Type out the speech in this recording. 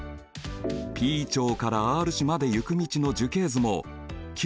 Ｐ町からＲ市まで行く道の樹形図もＱ